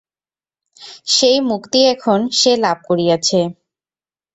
সেই মুক্তি এখন সে লাভ করিয়াছে।